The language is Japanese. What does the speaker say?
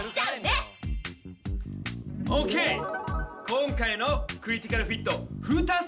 今回のクリティカルフィットフタＳＰ